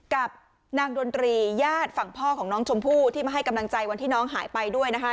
กับนางดนตรีญาติฝั่งพ่อของน้องชมพู่ที่มาให้กำลังใจวันที่น้องหายไปด้วยนะคะ